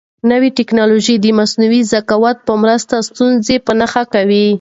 نوې تکنالوژي د مصنوعي ذکاوت په مرسته ستونزې په نښه کوي.